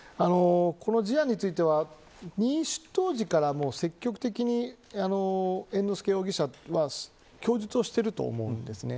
この事案については当時から積極的に猿之助容疑者が供述をしていると思うんです。